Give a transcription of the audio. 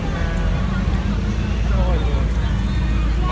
สวัสดีค่ะ